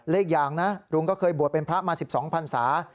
อีกอย่างนะลุงก็เคยบวชเป็นพระมา๑๒พันศา